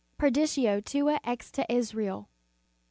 Fei ditio tua ex te Israel!